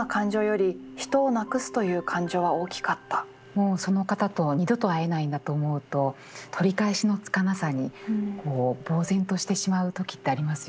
もうその方と二度と会えないんだと思うと取り返しのつかなさにぼう然としてしまう時ってありますよね。